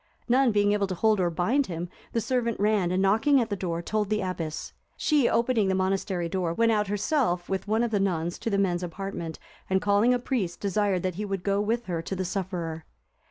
None being able to hold or bind him, the servant ran, and knocking at the door, told the abbess. She, opening the monastery door, went out herself with one of the nuns to the men's apartment, and calling a priest, desired that he would go with her to the sufferer.